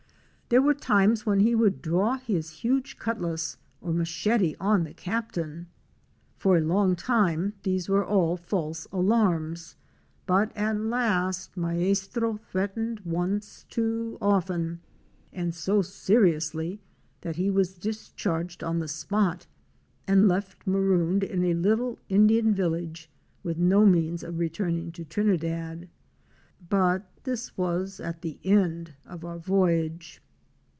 There were times when he would draw his huge cutlass or machete on the Captain. Fora long time these were all false alarms, but at last Maestro threatened once too often and so seriously that he was discharged on the spot, and left marooned in a little Indian village with no means of returning to Trinidad. But this was at the end of our voyage.